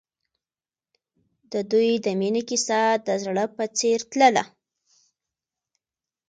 د دوی د مینې کیسه د زړه په څېر تلله.